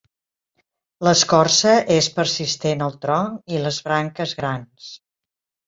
L'escorça és persistent al tronc i les branques grans.